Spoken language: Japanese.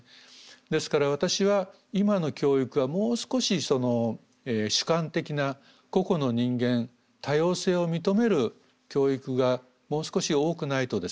ですから私は今の教育はもう少し主観的な個々の人間多様性を認める教育がもう少し多くないとですね